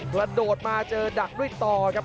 กระโดดมาเจอดักด้วยต่อครับ